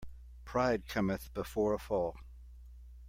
Pride cometh before a fall.